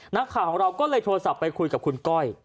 นักข่าวของเราก็เลยโทรศัพท์ไปคุยกับคุณก้อย